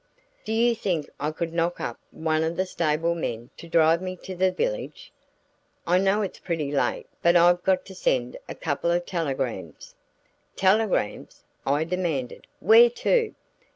"Do you think I could knock up one of the stable men to drive me to the village? I know it's pretty late but I've got to send a couple of telegrams." "Telegrams?" I demanded. "Where to?"